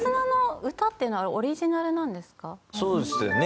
そうですよね。